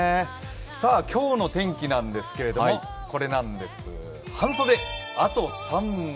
今日の天気なんですけれども、これなんです、半袖あと３枚。